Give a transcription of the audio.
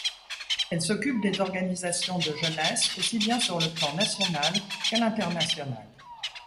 Elle s'occupe des organisations de jeunesse, aussi bien sur le plan national qu'à l'international.